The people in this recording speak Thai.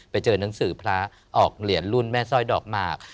ไปเจอนังสือพระออกเหรียญรุ่นแม่สร้อยดอกหมาก